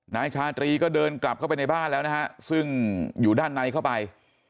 นายชาตรีก็เดินกลับเข้าไปในบ้านแล้วนะฮะซึ่งอยู่ด้านในเข้าไป